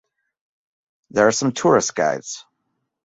There are some tourist guides.